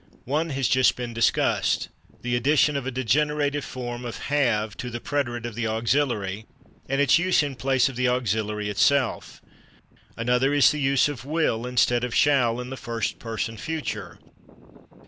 One has just been discussed: the addition of a degenerated form of /have/ to the preterite of the auxiliary, and its use in place of the auxiliary itself. Another is the use of /will/ instead of /shall/ in the first person future.